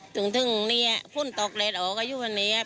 ถึงถึงนี้พุ่นตกเล็ดออกกับยุควรนี้